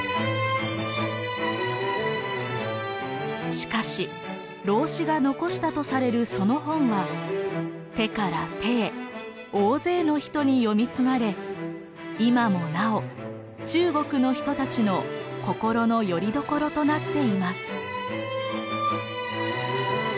しかし老子が残したとされるその本は手から手へ大勢の人に読み継がれ今もなお中国の人たちの心のよりどころとなっています。